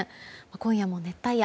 今夜も熱帯夜。